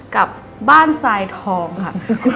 กับบ้านทรายทองค่ะ